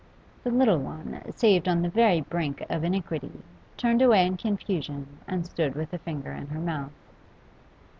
The little one, saved on the very brink of iniquity, turned away in confusion and stood with a finger in her mouth.